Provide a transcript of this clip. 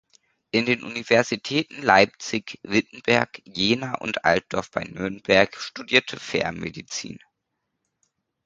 In den Universitäten Leipzig, Wittenberg, Jena und Altdorf bei Nürnberg studierte Fehr Medizin.